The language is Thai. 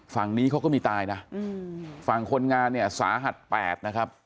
ฝั่งนี้เขาก็มีตายนะฝั่งคนงานเนี่ยสาหัสแปดนะครับ